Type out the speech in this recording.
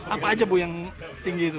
apa aja bu yang tinggi itu